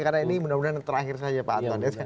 karena ini mudah mudahan yang terakhir saja pak anton